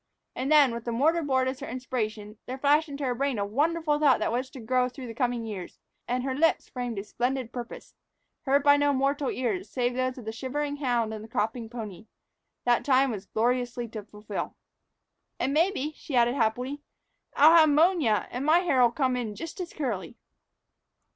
And then, with the mortar board as her inspiration, there flashed into her brain a wonderful thought that was to grow through the coming years; and her lips framed a splendid purpose heard by no mortal ears, save those of the shivering hound and the cropping pony that time was gloriously to fulfil. "And maybe," she added happily, "I'll have 'monia, and my hair'll come in just as curly."